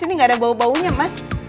ini nggak ada bau baunya mas